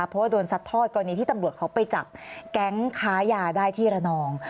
เพราะว่าโดนซัดทอดกรณีที่ตำรวจเขาไปจับแก๊งค้ายาได้ที่ระนอง